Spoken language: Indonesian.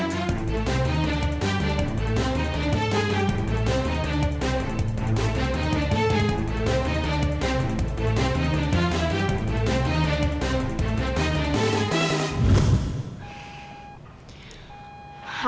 kamu tahu sendiri akibatnya